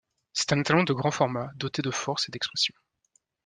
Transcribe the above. C'est un étalon de grand format, doté de force et d'expression.